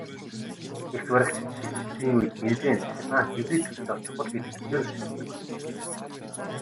Эрх баригчид шилжилтийн үед бензин-цахилгаан гибрид технологи чухал гэдгийг хүлээн зөвшөөрдөг.